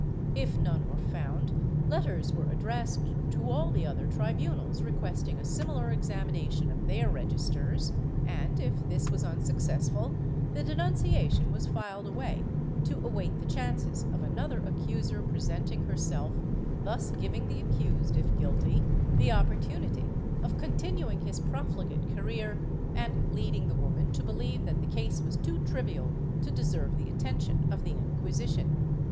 If none were found, letters w^ere addressed to all the other tribunals requesting a similar examination of their registers and, if this was unsuccess ful, the denunciation was filed away to await the chances of another accuser presenting herself, thus giving the accused, if guilty, the opportunity of continuing his profligate career, and leading the woman to believe that the case was too trivial to deserve the attention of the Incpisition.